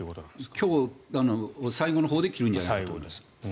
今日、最後のほうで決めるんじゃないかと。